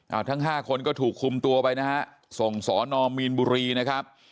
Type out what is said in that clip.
เอาทั้งห้าคนก็ถูกคุมตัวไปนะฮะส่งสอนอมีนบุรีนะครับ